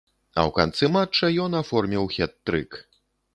А ў канцы матча ён аформіў хет-трык.